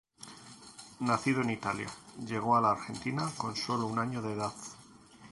Nacido en Italia, llegó a la Argentina con solo un año de edad.